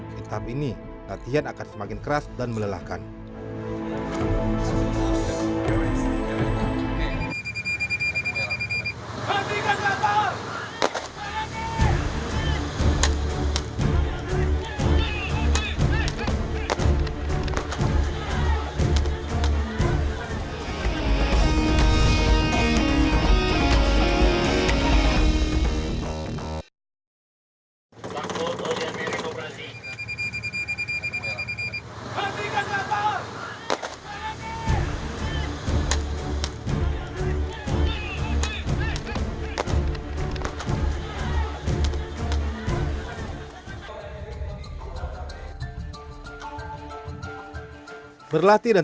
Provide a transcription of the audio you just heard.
di tahap ini latihan akan semakin keras dan melelahkan